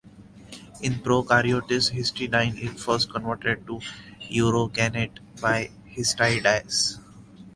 In prokaryotes, histidine is first converted to urocanate by histidase.